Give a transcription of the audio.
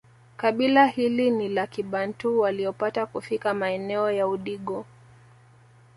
Kabila hili ni la kibantu waliopata kufika maeneo ya Udigo